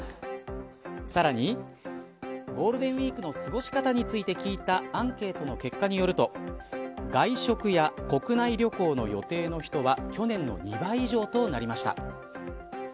さらに、ゴールデンウイークの過ごし方について聞いたアンケートの結果によると外食や国内旅行の予定の人は去年の２倍以上となりました。